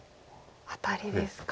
アタリですか。